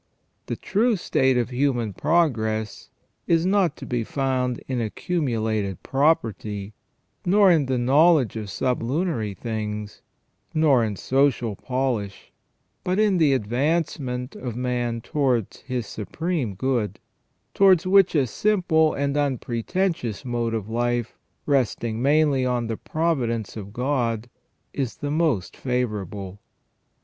The true test of human pro gress is not to be found in accumulated property, nor in the knowledge of sublunary things, nor in social polish, but in the advancement of man towards his Supreme Good, towards which a simple and unpretentious mode of life, resting mainly on the pro vidence of God, is the most favourable.